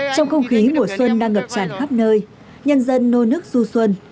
trong không khí mùa xuân đang ngập tràn khắp nơi nhân dân nô nước du xuân